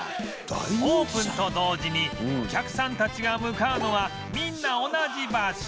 オープンと同時にお客さんたちが向かうのはみんな同じ場所